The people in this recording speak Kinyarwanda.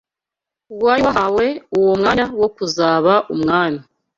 wari wahawe uwo mwanya wo kuzaba umwami